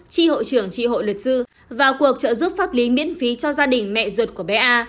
tri hội trưởng tri hội luật sư vào cuộc trợ giúp pháp lý miễn phí cho gia đình mẹ ruột của bé a